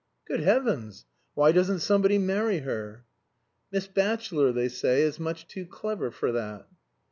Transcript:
"Good heavens! Why doesn't somebody marry her?" "Miss Batchelor, they say, is much too clever for that."